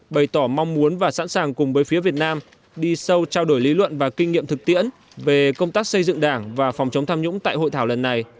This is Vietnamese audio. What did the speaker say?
bày tỏ mong muốn và sẵn sàng cùng với phía việt nam đi sâu trao đổi lý luận và kinh nghiệm thực tiễn về công tác xây dựng đảng và phòng chống tham nhũng tại hội thảo lần này